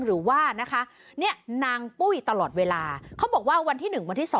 หรือว่านะคะเนี่ยนางปุ้ยตลอดเวลาเขาบอกว่าวันที่๑วันที่๒